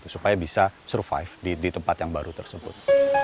supaya bisa survive di tempat yang baru tersebut